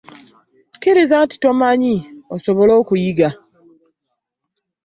Kkiriza nti tomanyi osobole okuyiga.